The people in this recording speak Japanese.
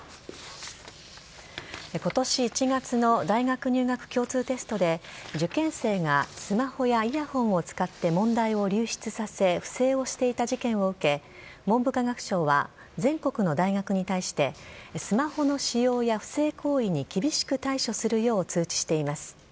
今年１月の大学入学共通テストで受験生がスマホやイヤホンを使って問題を流出させ不正をしていた事件を受け文部科学省は全国の大学に対してスマホの使用や不正行為に厳しく対処するよう通知しています。